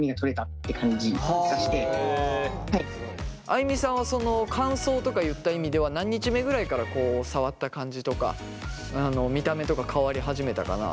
あいみさんはその乾燥とかいった意味では何日目ぐらいから触った感じとか見た目とか変わり始めたかな？